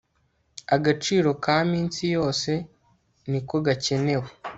agaciro ka minsi yose niko gakenewe